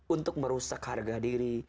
untuk merusak harga diri